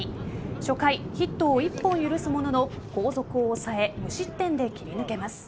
初回、ヒットを１本許すものの後続を抑え無失点で切り抜けます。